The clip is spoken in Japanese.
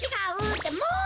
ってもう！